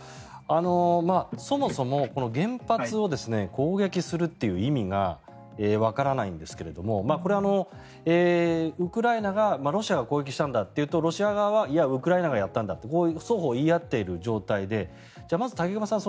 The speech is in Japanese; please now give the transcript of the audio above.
そもそも原発を攻撃するという意味がわからないんですけれどもこれ、ウクライナがロシアが攻撃したんだと言うとロシア側はいや、ウクライナがやったんだと双方言い合っている状態でまず、武隈さん